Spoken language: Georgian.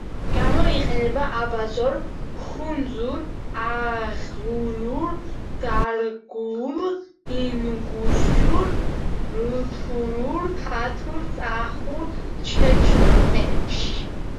გამოიყენება აბაზურ, ხუნძურ, აღულურ, დარგუულ, ინგუშურ, რუთულურ, თათურ, წახურ, ჩეჩნურ ენებში.